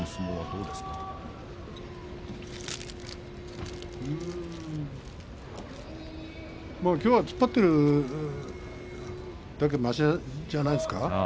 うーんきょうは突っ張っているだけましじゃないですか？